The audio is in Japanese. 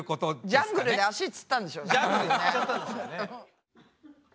ジャングルで足つったんでしょうね。